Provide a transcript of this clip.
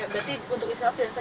berarti untuk istilahnya